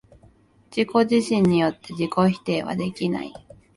自己自身によって自己否定はできない。